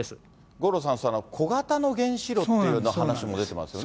五郎さん、小型の原子炉っていう話も出てますよね。